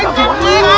buka pak de